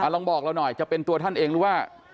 ลองบอกเราหน่อยจะเป็นตัวท่านเองหรือว่า